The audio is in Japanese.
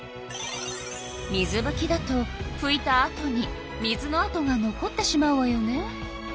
水ぶきだとふいたあとに水のあとが残ってしまうわよね。